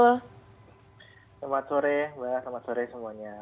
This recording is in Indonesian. selamat sore mbak selamat sore semuanya